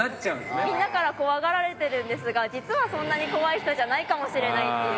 みんなから怖がられてるんですが実はそんなに怖い人じゃないかもしれないっていう。